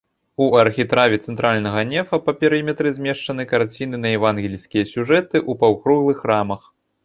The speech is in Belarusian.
У архітраве цэнтральнага нефа па перыметры змешчаны карціны на евангельскія сюжэты ў паўкруглых рамах.